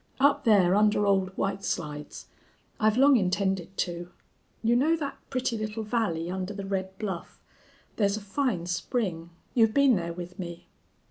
"Up there under Old White Slides. I've long intended to. You know that pretty little valley under the red bluff. There's a fine spring. You've been there with me.